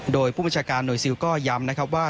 โดยผู้บัญชาการหน่วยซิลก็ย้ำนะครับว่า